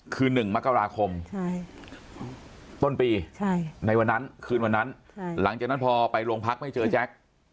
คืนหนึ่งมกราคมอ๋นปีในวันนั้นคืนวันนั้นหลังจนพอไปโรงพักว่าไม่เจอแจ๊ก